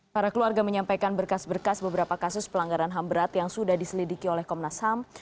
para keluarga menyampaikan berkas berkas beberapa kasus pelanggaran ham berat yang sudah diselidiki oleh komnas ham